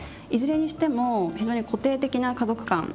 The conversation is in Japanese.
いずれにしても非常に固定的な家族観